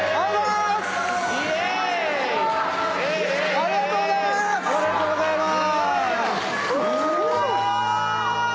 ありがとうございます！